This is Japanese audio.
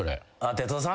哲夫さん？